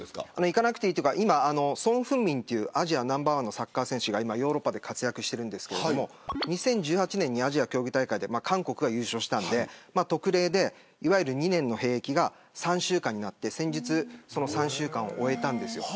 行かなくていいというか今は孫興民というアジアナンバー１サッカー選手がヨーロッパで活躍してるんですが２０１８年にアジア競技大会で韓国が優勝したんで特例でいわゆる２年の兵役が３週間になって、先日その３週間を終えたんですよ。